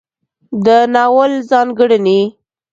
د ناول ځانګړنې